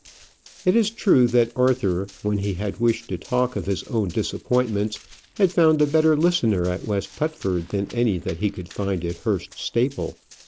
It is true that Arthur, when he had wished to talk of his own disappointments, had found a better listener at West Putford than any that he could find at Hurst Staple.